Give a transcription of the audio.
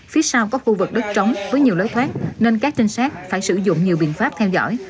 phía sau có khu vực đất trống với nhiều lối thoát nên các trinh sát phải sử dụng nhiều biện pháp theo dõi